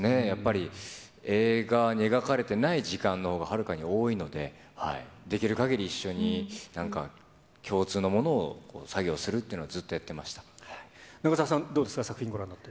やっぱり、映画に描かれてない時間のほうがはるかに多いので、できるかぎり一緒に、なんか共通のものを、作業するっていうのをずっとやっ長澤さん、どうですか？